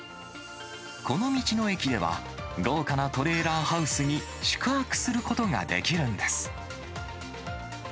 この道の駅では、豪華なトレーラーハウスに宿泊することができるんです。